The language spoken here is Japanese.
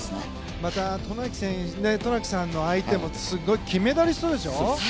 また渡名喜さんの相手も金メダリストでしょ？